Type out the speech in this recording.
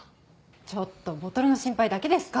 ちょっとボトルの心配だけですか？